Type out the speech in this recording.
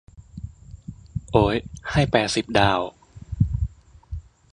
โอ๊ย ให้แปดสิบดาว